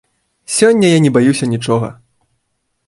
Сёння я не баюся нічога.